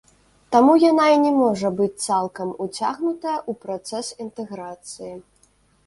Таму яна і не можа быць цалкам уцягнутая ў працэс інтэграцыі.